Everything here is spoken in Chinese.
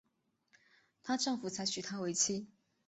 她丈夫才娶她为妻